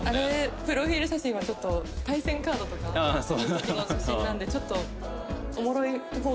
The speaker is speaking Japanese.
プロフィール写真はちょっと対戦カードとかの時の写真なんでちょっとおもろい方がいいかなと思って。